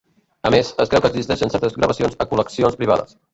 A més, es creu que existeixen certes gravacions a col·leccions privades.